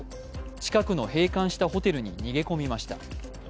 近くの閉館したホテルに逃げ込みました。